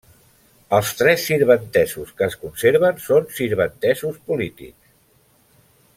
Els tres sirventesos que es conserven són sirventesos polítics.